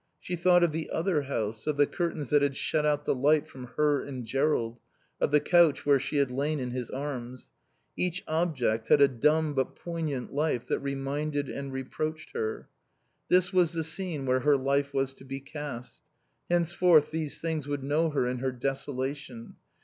She thought of the other house, of the curtains that had shut out the light from her and Jerrold, of the couch where she had lain in his arms. Each object had a dumb but poignant life that reminded and reproached her. This was the scene where her life was to be cast. Henceforth these things would know her in her desolation.